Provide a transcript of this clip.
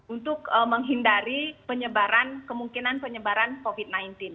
untuk menghindari penyebaran kemungkinan penyebaran covid sembilan belas